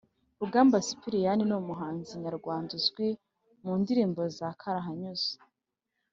Rugamba cyprien numuhanzi nyarwanda uzwi mundirimbo za karahanyuze